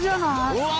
うわ！